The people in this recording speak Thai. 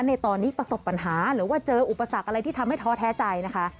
ในตอนนี้ประสบปัญหาหรือว่าเจออุปสรรคอะไรที่ทำให้ท้อแท้ใจนะคะ